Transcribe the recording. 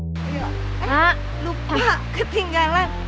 eh lupa ketinggalan